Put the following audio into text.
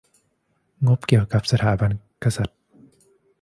งบเกี่ยวกับสถาบันกษัตริย์